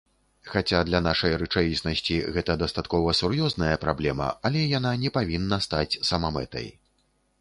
Хаця, для нашай рэчаіснасці гэта дастаткова сур'ёзная праблема, але яна не павінна стаць самамэтай.